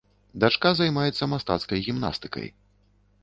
Дачка займаецца мастацкай гімнастыкай.